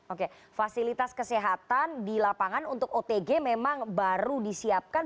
oke fasilitas kesehatan di lapangan untuk otg memang baru disiapkan